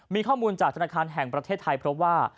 มีข้อมูลจากธนาคารแห่งประเทศไทยเพราะว่า